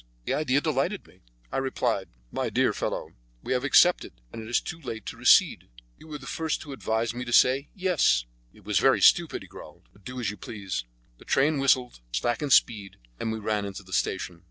The idea delighted me. I replied, "My dear fellow, we have accepted, and it is too late to recede. You were the first to advise me to say 'Yes.'" "It is very stupid," he growled, "but do as you please." The train whistled, slackened speed, and we ran into the station.